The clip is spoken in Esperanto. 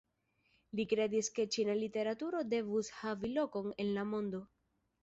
Li kredis ke ĉina literaturo devus havi lokon en la mondo.